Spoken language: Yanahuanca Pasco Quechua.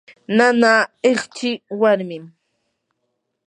nanaa hiqchi warmim.